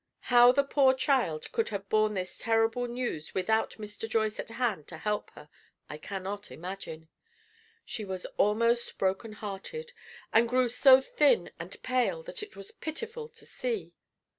How the poor child could have borne this terrible news without Mr. Joyce at hand to help her, I cannot imagine. She was almost broken hearted, and grew so thin and pale that it was pitiful to see.